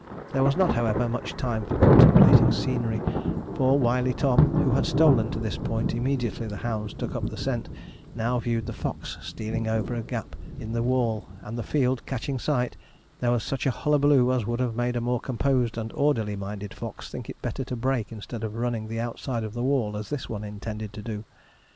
There was not, however, much time for contemplating scenery; for Wily Tom, who had stolen to this point immediately the hounds took up the scent, now viewed the fox stealing over a gap in the wall, and, the field catching sight, there was such a hullabaloo as would have made a more composed and orderly minded fox think it better to break instead of running the outside of the wall as this one intended to do.